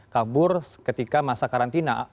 kabur ketika masa karantina